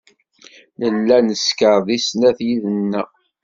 Nella neskeṛ deg snat yid-neɣ.